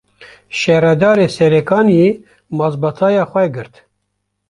Şaredarê Serêkaniyê, mazbataya xwe girt